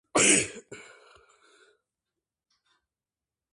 ანთროპოლოგიური ნიშნებით მონღოლოიდურ რასას ეკუთვნიან.